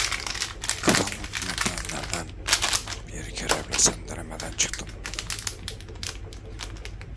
Karanlık merdivenlerden bir kere bile sendelemeden çıktım.